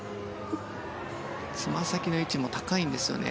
つま先の位置も高いんですよね。